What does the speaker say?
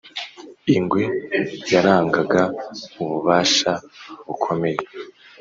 ingwe yarangaga ububasha bukomeye